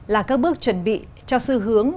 là các bước chuẩn bị cho sư hướng